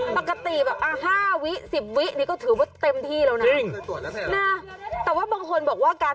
ปกติแบบ๕วิก็ถือว่าเต็มที่แล้วนะ